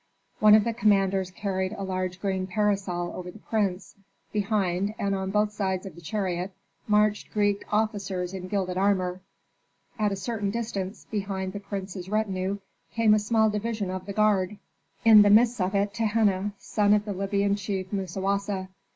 One of the commanders carried a large green parasol over the prince; behind, and on both sides of the chariot, marched Greek officers in gilded armor. At a certain distance behind the prince's retinue came a small division of the guard, in the midst of it Tehenna, son of the Libyan chief Musawasa.